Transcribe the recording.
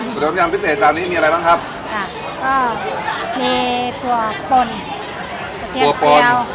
กระเทียดต้มยำพิเศษจานนี้มีอะไรบ้างครับครับก็มีตัวปนกระเทียมเจียว